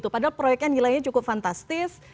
padahal proyeknya nilainya cukup fantastis